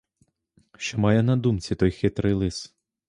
Що має на думці той хитрий лис?